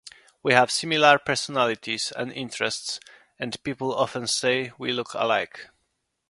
We have similar personalities and interests, and people often say we look alike.